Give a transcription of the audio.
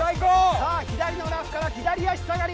さあ左のラフから左足下がり。